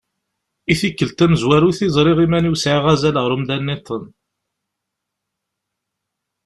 I tikkelt tamezwarut i ẓriɣ iman-iw sɛiɣ azal ɣer umdan-nniḍen.